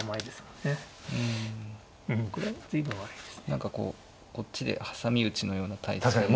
何かこうこっちで挟み撃ちのような態勢に。